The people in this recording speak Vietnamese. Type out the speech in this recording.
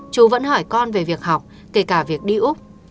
chú vẫn hỏi con về việc học kể cả việc đi úc